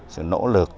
sự nỗ lực